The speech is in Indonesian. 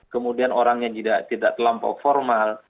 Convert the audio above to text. kemudian orangnya tidak terlampau formal